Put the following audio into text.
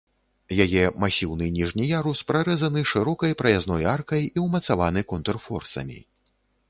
Яе масіўны ніжні ярус прарэзаны шырокай праязной аркай і ўмацаваны контрфорсамі.